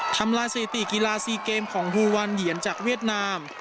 ทำลายสถิติกีฬาซีเกมของฮูวันเหยียนจากเวียดนาม